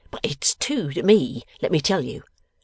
'But it's two to me, let me tell you.